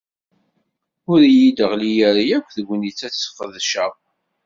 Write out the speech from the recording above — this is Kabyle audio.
Ur yi-d-teɣli ara yakk tegnit ad tt-ssqedceɣ.